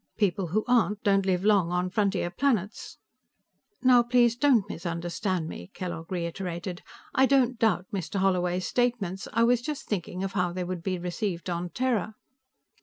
People who aren't don't live long on frontier planets." "Now, please don't misunderstand me," Kellogg reiterated. "I don't doubt Mr. Holloway's statements. I was just thinking of how they would be received on Terra."